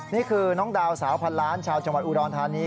นี่คือน้องดาวสาวพันล้านชาวจังหวัดอุดรธานี